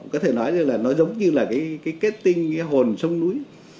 có thể nói là nó giống như là cái kết tinh cái hồn sông núi